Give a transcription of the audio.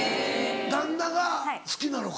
旦那が好きなのか。